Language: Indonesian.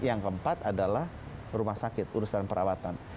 yang keempat adalah rumah sakit urusan perawatan